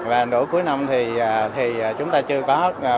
và đổi cuối năm thì chúng ta chưa có hết